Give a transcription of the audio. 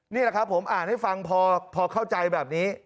นี่แหละครับผมอ่านให้ฟังพอเข้าใจแบบนี้